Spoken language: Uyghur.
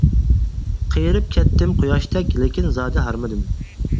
قېرىپ كەتتىم قۇياشتەك لېكىن زادى ھارمىدىم.